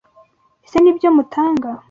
Ese Nibyo mutanga?